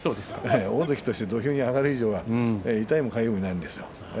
大関として土俵に上がる以上は痛いもかゆいもありません。